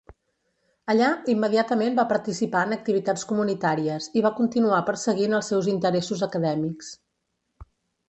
Allà, immediatament va participar en activitats comunitàries i va continuar perseguint els seus interessos acadèmics.